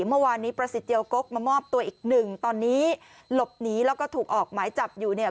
เมื่อวานนี้ประสิทธิเจียวกกมามอบตัวอีกหนึ่งตอนนี้หลบหนีแล้วก็ถูกออกหมายจับอยู่เนี่ย